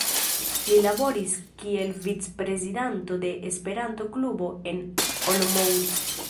Li laboris kiel vicprezidanto de Esperanto-klubo en Olomouc.